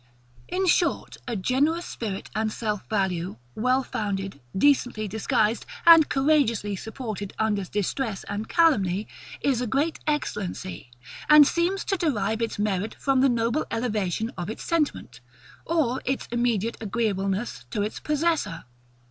[Footnote: Quinctil. lib. v. cap. 12.] In short, a generous spirit and self value, well founded, decently disguised, and courageously supported under distress and calumny, is a great excellency, and seems to derive its merit from the noble elevation of its sentiment, or its immediate agreeableness to its possessor.